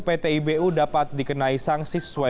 pt ibu dapat dikenai sanksi sesuai